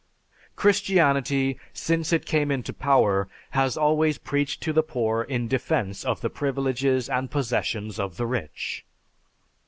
Christianity, since it came into power, has always preached to the poor in defense of the privileges and possessions of the rich.